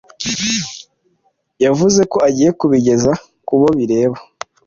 yavuze ko agiye kubigeza ku bo bireba